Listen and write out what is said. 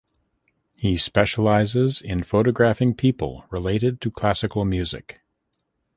He specialises in photographing people related to classical music.